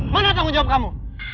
mana tanggung jawab kamu